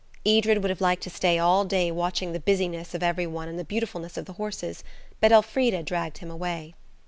Edred would have liked to stay all day watching the busyness of every one and the beautifulness of the horses, but Elfrida dragged him away.